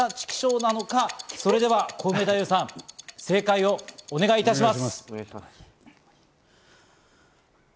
なのか、コウメ太夫さん、正解をお願いいたします。